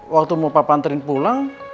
waktu mau papa antren pulang